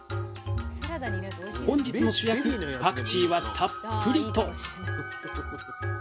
本日の主役パクチーはたっぷりと！